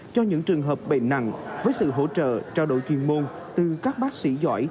cho những trường hợp bệnh nặng với sự hỗ trợ trao đổi chuyên môn từ các bác sĩ giỏi